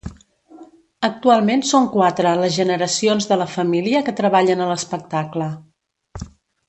Actualment són quatre les generacions de la família que treballen a l'espectacle.